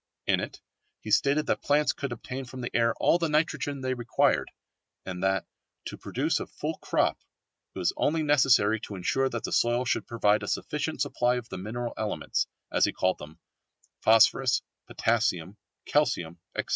In it he stated that plants could obtain from the air all the nitrogen they required, and that, to produce a full crop, it was only necessary to ensure that the soil should provide a sufficient supply of the mineral elements, as he called them, phosphorus, potassium, calcium, etc.